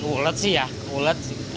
ulet sih ya